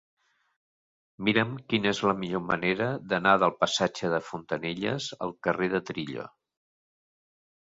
Mira'm quina és la millor manera d'anar del passatge de Fontanelles al carrer de Trillo.